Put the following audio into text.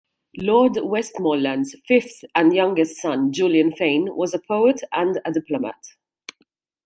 Lord Westmorland's fifth and youngest son Julian Fane was a poet and diplomat.